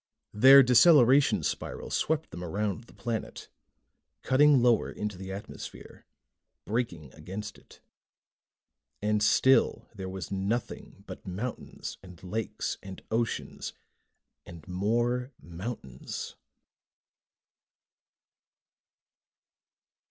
Their deceleration spiral swept them around the planet, cutting lower into the atmosphere, braking against it. And still there was nothing but mountains and lakes and oceans and more mountains.